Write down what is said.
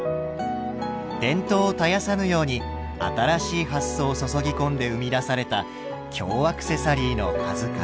伝統を絶やさぬように新しい発想を注ぎ込んで生み出された京アクセサリーの数々。